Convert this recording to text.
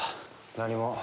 何も。